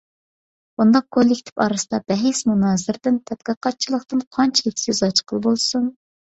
بۇنداق كوللىكتىپ ئارىسىدا بەھس مۇنازىرىدىن، تەتقىقاتچىلىقتىن قانچىلىك سۆز ئاچقىلى بولسۇن؟!